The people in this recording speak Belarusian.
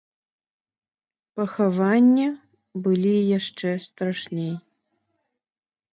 Пахаванне былі яшчэ страшней.